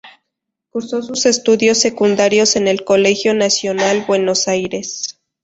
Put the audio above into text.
Cursó sus estudios secundarios en el Colegio Nacional Buenos Aires.